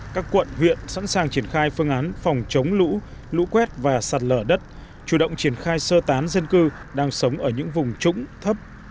các quận huyện sẵn sàng triển khai phương án phòng chống lũ lũ quét và sạt lở đất chủ động triển khai sơ tán dân cư đang sống ở những vùng trũng thấp